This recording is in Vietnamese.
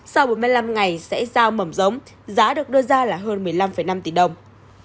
sau bốn mươi năm ngày sẽ giao mầm giống giá được đưa ra là hơn một mươi năm năm tỷ đồng